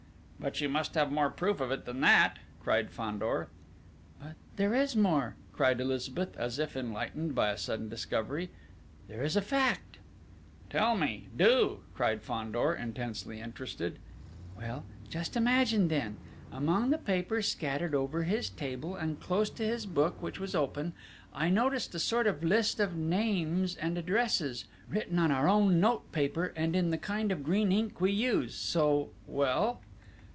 "But you must have more proof of it than that?" cried Fandor. "But there is more!" cried Elizabeth, as if enlightened by a sudden discovery: "There is a fact!..." "Tell me, do!" cried Fandor, intensely interested. "Well, just imagine, then! Among the papers scattered over his table, and close to his book, which was open, I noticed a sort of list of names and addresses, written on our own note paper, and in the kind of green ink we use so well